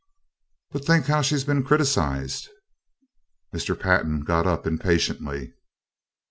"But think how she's been criticised!" Mr. Pantin got up impatiently.